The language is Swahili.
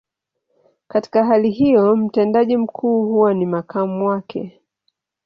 Katika hali hiyo, mtendaji mkuu huwa ni makamu wake.